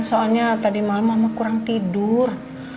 soalnya tadi malam mama kurang tidur